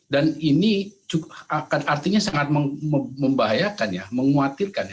dan ini artinya sangat membahayakan mengkhawatirkan